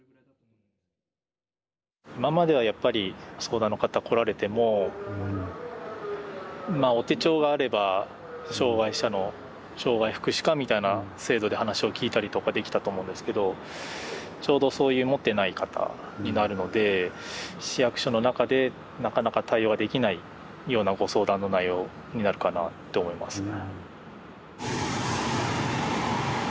今まではやっぱり相談の方来られてもまあお手帳があれば障害者の障害福祉課みたいな制度で話を聞いたりとかできたと思うんですけどちょうどそういう持ってない方になるので市役所の中でなかなか対応はできないようなご相談の内容になるかなって思いますね。